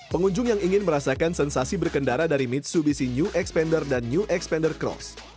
pengunjung yang ingin merasakan sensasi berkendara dari mitsubishi new expander dan new expander cross